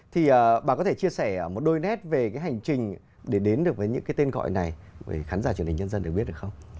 thì bà có thể chia sẻ một đôi nét về hành trình để đến được với những tên gọi này khán giả chương trình nhân dân được biết được không